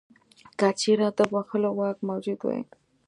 که چیرې د بخښلو واک موجود وای.